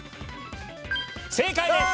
正解です！